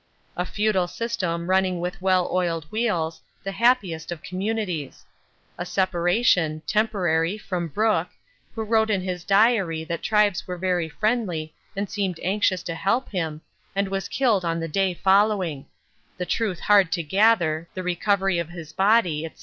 A feudal system running with well oiled wheels, the happiest of communities. A separation (temporary) from Brook, who wrote in his diary that tribes were very friendly and seemed anxious to help him, and was killed on the day following the truth hard to gather the recovery of his body, &c.